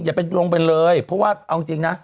อย่าไปลงไปเลยเพราะว่าเอาจริงนะ